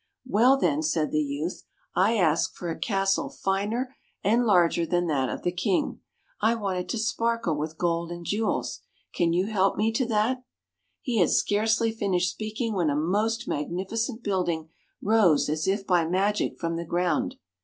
" Well then," said the youth, '' I ask for a castle finer and larger than that of the King. I want it to sparkle with gold and jewels. Can you help me to that? " He had scarcely finished speaking when a most magnificent building rose as if by magic from the ground.